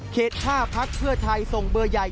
เขต๕ภักดิ์เพื่อไทยส่งเบอร์ใหญ่